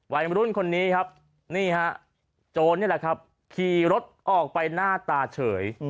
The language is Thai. วัยรุ่นคนนี้ครับนี่ฮะโจรนี่แหละครับขี่รถออกไปหน้าตาเฉย